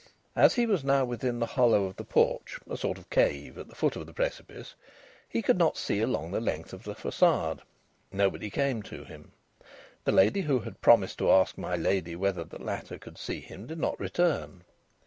As he was now within the hollow of the porch, a sort of cave at the foot of the precipice, he could not see along the length of the façade. Nobody came to him. The lady who had promised to ask my lady whether the latter could see him did not return.